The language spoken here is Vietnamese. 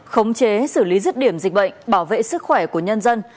khống chế xử lý rứt điểm dịch bệnh bảo vệ sức khỏe của nhân dân